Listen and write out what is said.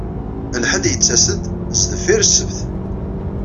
Lḥedd yettas-d sdeffir Ssebt.